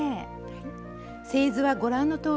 製図はご覧のとおりです。